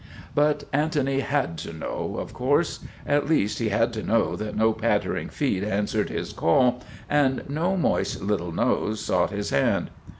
But Antony had to know, of course. At least, he had to know that no pattering feet answered his call and no moist little nose sought his hand.